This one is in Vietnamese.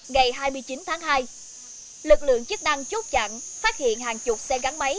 ngày hai mươi chín tháng hai lực lượng chức năng chốt chặn phát hiện hàng chục xe gắn máy